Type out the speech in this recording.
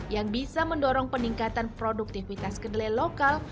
yang bisa mendorong peningkatan produktivitas kedelai lokal